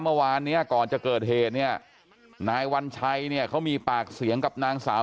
เมื่อวานเนี้ยก่อนจะเกิดเหตุเนี่ยนายวัญชัยเนี่ยเขามีปากเสียงกับนางสาว